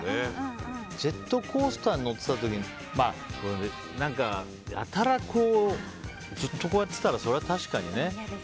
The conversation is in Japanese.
ジェットコースターに乗ってた時にやたら、ずっとこうやってたらそりゃ確かにね。